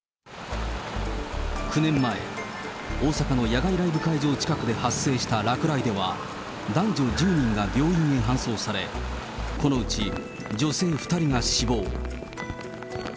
９年前、大阪の野外ライブ会場近くで発生した落雷では、男女１０人が病院に搬送され、このうち女性２人が死亡。